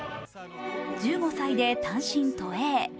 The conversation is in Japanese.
１５歳で単身渡英。